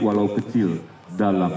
walau kecil dalam